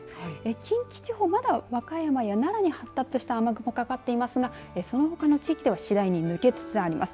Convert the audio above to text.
近畿地方、まだ和歌山や奈良に発達した雨雲がかかっていますがそのほかの地域では次第に抜けつつあります。